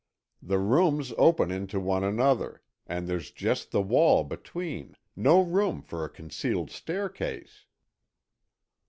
The rooms open into one another, and there's just the wall between, no room for a concealed staircase."